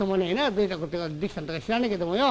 どういったことができたんだか知らねえけどもよ。